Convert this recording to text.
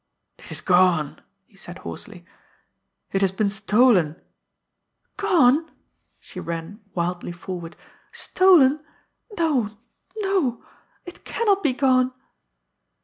"It is gone!" he said hoarsely. "It has been stolen!" "Gone!" She ran wildly forward. "Stolen! No, no it cannot be gone!"